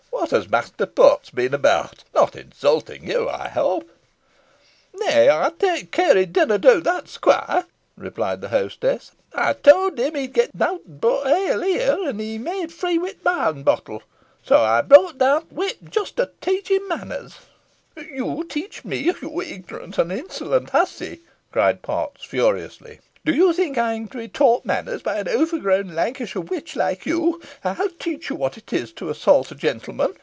What has Master Potts been about? Not insulting you, I hope?" "Neaw, ey'd tak keare he didna do that, squoire," replied the hostess. "Ey towd him he'd get nowt boh ele here, an' he made free wi't wine bottle, so ey brought down t' whip jist to teach him manners." "You teach me! you ignorant and insolent hussy," cried Potts, furiously; "do you think I'm to be taught manners by an overgrown Lancashire witch like you? I'll teach you what it is to assault a gentleman.